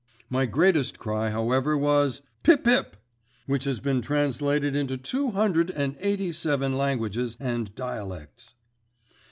My greatest cry, however, was 'Pip pip!' which has been translated into two hundred and eighty seven languages and dialects."